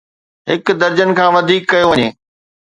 هڪ درجن کان وڌيڪ ڪيو وڃي